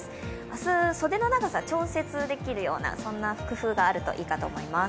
明日、袖の長さが調節できるような工夫があるといいかと思います。